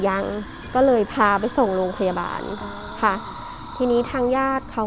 ยังก็เลยพาไปส่งโรงพยาบาลค่ะทีนี้ทางญาติเขา